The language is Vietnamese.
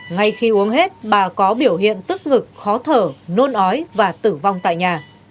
ngay khi uống hết bà có biểu hiện tức ngực khó thở nôn ói và tử vong tại nhà